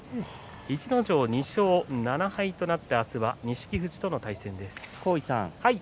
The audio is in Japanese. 逸ノ城は２勝７敗となって明日は錦富士との対戦です。